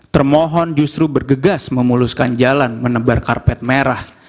termohon justru bergegas memuluskan jalan menebar karpet merah